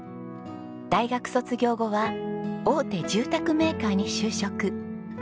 大学卒業後は大手住宅メーカーに就職。